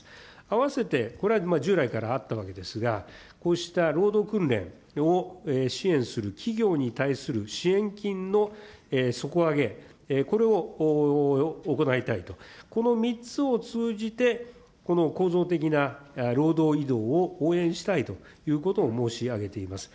あわせて、これは従来からあったわけですが、こうした労働訓練を支援する企業に対する支援金の底上げ、これを行いたいと、この３つを通じて、この構造的な労働移動を応援したいということを申し上げています。